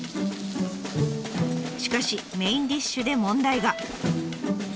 しかしメインディッシュで問題が。